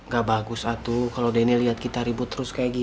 gak bagus atuh kalau diantriin audisi